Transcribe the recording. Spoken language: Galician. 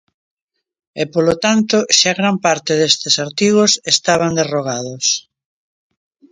E, polo tanto, xa gran parte destes artigos estaban derrogados.